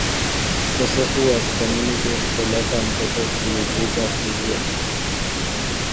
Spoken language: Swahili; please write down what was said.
ukosefu wa vitamini A hupelekea mtoto kuugua surua